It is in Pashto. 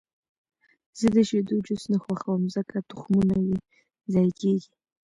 زه د شیدو جوس نه خوښوم، ځکه تخمونه یې ضایع کېږي.